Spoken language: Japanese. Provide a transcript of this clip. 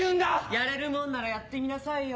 やれるもんならやってみなさいよ。